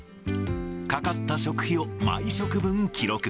かかった食費を毎食分、記録。